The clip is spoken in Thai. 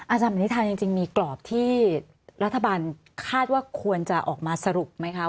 อาจารย์แบบนี้ทางจริงมีกรอบที่รัฐบาลคาดว่าควรจะออกมาสรุปไหมคะ